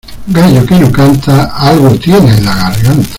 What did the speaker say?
Gallo que no canta, algo tiene en la garganta.